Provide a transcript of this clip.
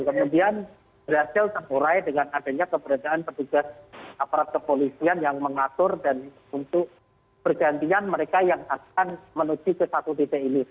kemudian berhasil terurai dengan adanya keberadaan petugas aparat kepolisian yang mengatur dan untuk bergantian mereka yang akan menuju ke satu titik ini